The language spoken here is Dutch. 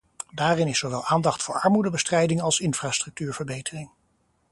Daarin is zowel aandacht voor armoedebestrijding als infrastructuurverbetering.